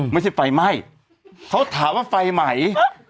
ไม่ใช่ไฟไหม้เขาถามว่าไฟไหม